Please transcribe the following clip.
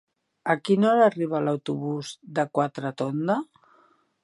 A quina hora arriba l'autobús de Quatretonda?